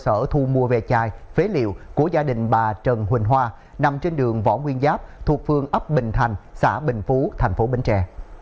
cơ sở thu mua về chai phế liệu của gia đình bà trần huỳnh hoa nằm trên đường võ nguyên giáp thuộc phương ấp bình thành xã bình phú thành phố bến tre